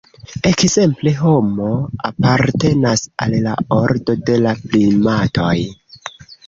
Ekzemple, "Homo" apartenas al la ordo de la primatoj.